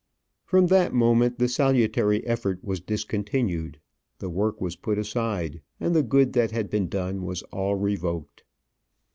From that moment the salutary effort was discontinued, the work was put aside, and the good that had been done was all revoked.